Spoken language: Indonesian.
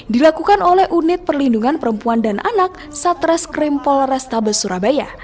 dilakukan oleh unit perlindungan perempuan dan anak satreskrim polrestabes surabaya